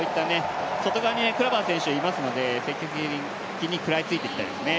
外側にクラバー選手いますので、積極的に食らいついていきたいですね。